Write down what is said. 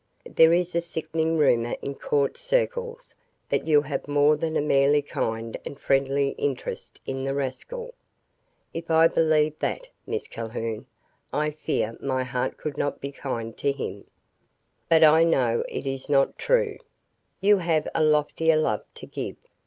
There is a sickening rumor in court circles that you have more than a merely kind and friendly interest in the rascal. If I believed that, Miss Calhoun, I fear my heart could not be kind to him. But I know it is not true. You have a loftier love to give.